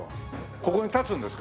ここに立つんですか？